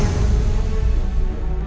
aku juga pengen dia